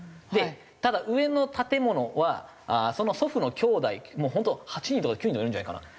でただ上の建物はその祖父のきょうだいもう本当８人とか９人とかいるんじゃないかな。